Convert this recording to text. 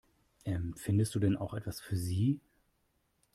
Empfindest du denn auch etwas für sie?